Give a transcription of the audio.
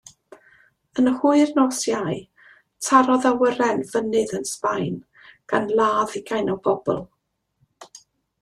Yn hwyr nos Iau tarodd awyren fynydd yn Sbaen, gan ladd ugain o bobl.